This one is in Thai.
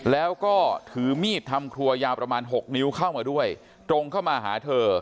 แล้วก็ถือมีดทำครัวยาวประมาณ๖นิ้วเข้ามาด้วยตรงเข้ามาหาเธอ